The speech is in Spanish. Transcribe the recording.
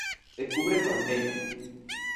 Se cubre con teja.